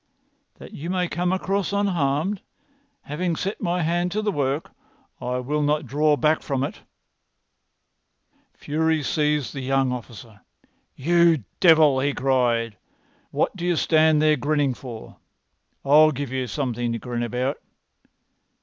"That you may come across unharmed. Having set my hand to the work, I will not draw back from it." Fury seized the young officer. "You devil!" he cried. "What do you stand there grinning for? I'll give you something to grin about.